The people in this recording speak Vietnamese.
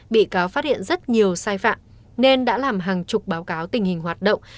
bị cáo phát hiện rất nhiều sai phạm nên đã làm hàng chục báo cáo tình hình hoạt động